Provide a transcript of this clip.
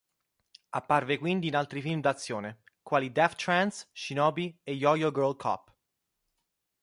Apparve quindi in altri film d'azione, quali "Death Trance", "Shinobi" e "Yo-Yo Girl Cop".